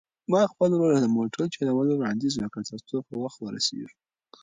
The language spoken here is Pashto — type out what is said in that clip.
ما خپل ورور ته د موټر چلولو وړاندیز وکړ ترڅو په وخت ورسېږو.